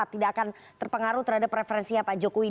tidak akan terpengaruh terhadap preferensinya pak jokowi